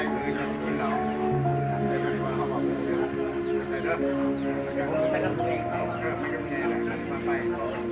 โปรดติดตามตอนต่อไป